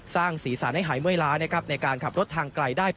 สร้างศีลสารให้หายเมื่อล้ะขับรถทางไกลได้